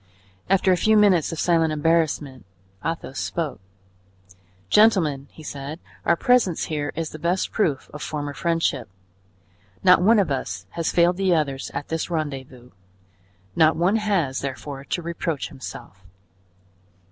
After a few minutes of silent embarrassment, Athos spoke. "Gentlemen," he said, "our presence here is the best proof of former friendship; not one of us has failed the others at this rendezvous; not one has, therefore, to reproach himself."